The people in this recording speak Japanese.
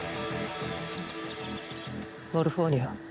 モルフォーニャ。